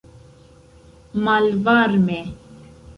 malvarme